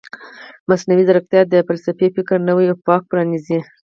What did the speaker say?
مصنوعي ځیرکتیا د فلسفي فکر نوی افق پرانیزي.